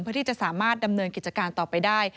เพื่อที่จะสามารถดำเนินกิจการต่อไปได้